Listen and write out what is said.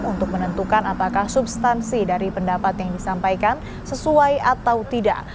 untuk menentukan apakah substansi dari pendapat yang disampaikan sesuai atau tidak